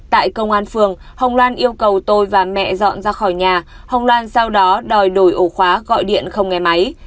tại công an phường hồng loan yêu cầu tôi và mẹ dọn ra khỏi nhà hồng loan sau đó đòi đổi ổ khóa gọi điện không nghe máy